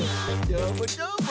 どーもどーも！